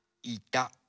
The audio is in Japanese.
いた。